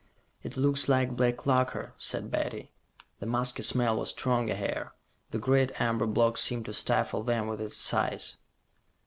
"It looks like black lacquer," said Betty. The musky smell was stronger here. The great amber block seemed to stifle them with its size.